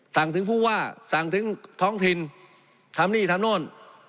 สั่งถึงผู้ว่าสั่งถึงท้องถิ่นทำนี่ทำโน่น